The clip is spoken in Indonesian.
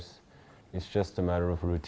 sekarang kita sudah mencoba itu dan